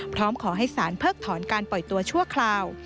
พร้อมขอให้สารเพิกถอนการปล่อยตัวชั่วคราว